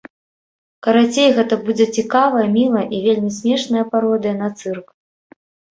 Карацей, гэта будзе цікавая, мілая і вельмі смешная пародыя на цырк.